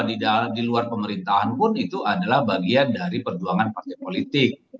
di luar pemerintahan pun itu adalah bagian dari perjuangan partai politik